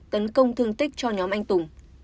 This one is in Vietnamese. tấn công thương tích cho nhóm anh tùng